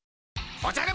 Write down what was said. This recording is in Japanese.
おじゃる丸